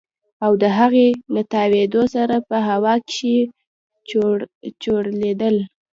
او د هغې له تاوېدو سره په هوا کښې چورلېدل.